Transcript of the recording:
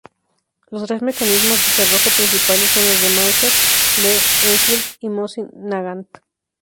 Los tres mecanismos de cerrojo principales son los de Mauser, Lee-Enfield y Mosin-Nagant.